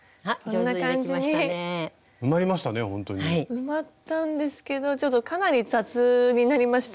埋まったんですけどちょっとかなり雑になりました。